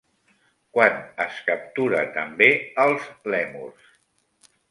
Quan es captura també als lèmurs?